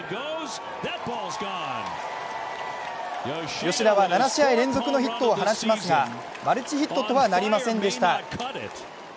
吉田は７試合連続のヒットを放ちますがマルチヒットとはなりませんでした。